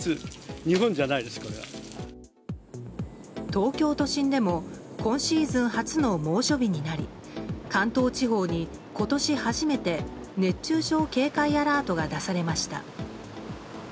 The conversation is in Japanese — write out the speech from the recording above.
東京都心でも今シーズン初の猛暑日になり関東地方に、今年初めて熱中症警戒アラートが出されました。